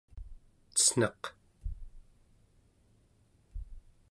cen̄aq